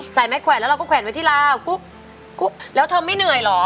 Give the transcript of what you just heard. ไม้แขวนแล้วเราก็แขวนไว้ที่ลาวกุ๊กแล้วเธอไม่เหนื่อยเหรอ